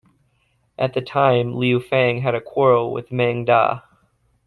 At the time, Liu Feng had a quarrel with Meng Da.